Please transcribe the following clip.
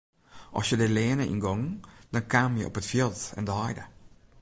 As je dy leane yngongen dan kamen je op it fjild en de heide.